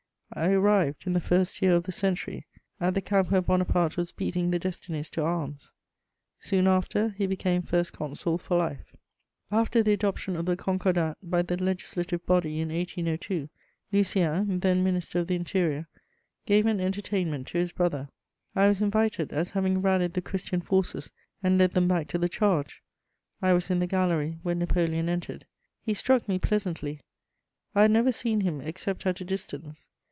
I arrived, in the first year of the century, at the camp where Bonaparte was beating the destinies to arms: soon after, he became First Consul for life. After the adoption of the Concordat by the Legislative Body in 1802, Lucien, then Minister of the Interior, gave an entertainment to his brother; I was invited, as having rallied the Christian forces and led them back to the charge. I was in the gallery when Napoleon entered: he struck me pleasantly; I had never seen him except at a distance.